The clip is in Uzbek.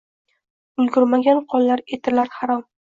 Ulgurmagan qonlar eritar hamon.